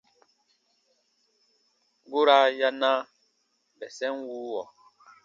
Guraa ya na bɛsɛn wuuwɔ.